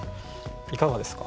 いかがですか？